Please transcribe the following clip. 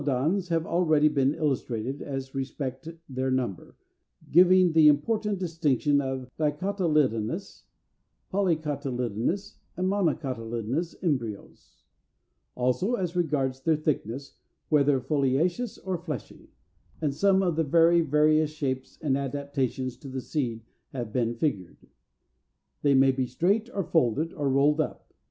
=The Cotyledons= have already been illustrated as respects their number, giving the important distinction of Dicotyledonous, Polycotyledonous and Monocotyledonous embryos (36 43), also as regards their thickness, whether foliaceous or fleshy; and some of the very various shapes and adaptations to the seed have been figured. They may be straight, or folded, or rolled up.